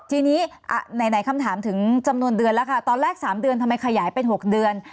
ทีนี้ไหนคำถามถึงจำนวนเดือนแล้วค่ะตอนแรก๓เดือนทำไมขยายเป็น๖เดือน